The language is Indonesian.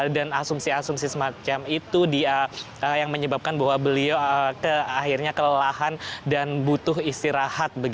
dan asumsi asumsi semacam itu yang menyebabkan bahwa beliau akhirnya kelelahan dan butuh istirahat